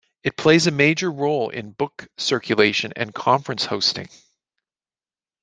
It plays a major role in book circulation and conference hosting.